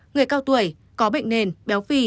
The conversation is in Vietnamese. người cao tuổi có bệnh nền béo phì